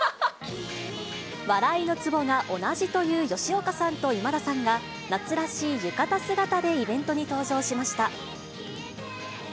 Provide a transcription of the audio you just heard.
笑いのつぼが同じという吉岡さんと今田さんが、夏らしい浴衣姿でイベントに登場しました。